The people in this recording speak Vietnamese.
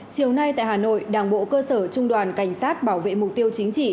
chiều nay tại hà nội đảng bộ cơ sở trung đoàn cảnh sát bảo vệ mục tiêu chính trị